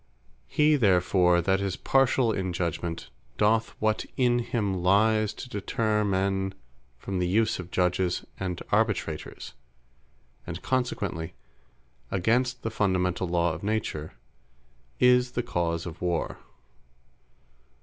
He therefore that is partiall in judgment, doth what in him lies, to deterre men from the use of Judges, and Arbitrators; and consequently, (against the fundamentall Lawe of Nature) is the cause of Warre.